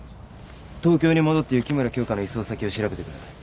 東京に戻って雪村京花の移送先を調べてくれ。